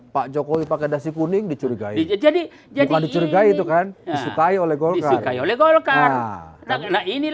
pak jokowi pakai dasi kuning dicurigai jadi jadi dicurigai itu kan disukai oleh golkar ini